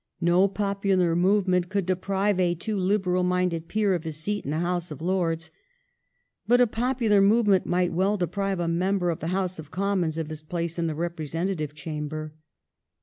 No popular movement could deprive a too liberal minded Peer of his seat in the House of Lords. But a popular movement might well deprive a member of the House of Commons of his place in the representa tive chamber.